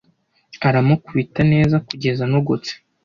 aramukubita neza kugeza anogotse.